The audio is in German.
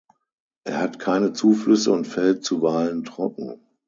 Er hat keine Zuflüsse und fällt zuweilen trocken.